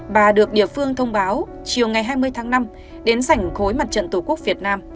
bà được địa phương thông báo chiều ngày hai mươi tháng năm đến sảnh khối mặt trận tổ quốc việt nam